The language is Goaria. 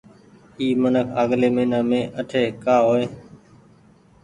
اي منک آگلي مهينآ مين اٺي ڪآ هو ئي۔